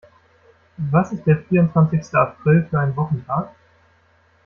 Was ist der vierundzwanzigste April für ein Wochentag?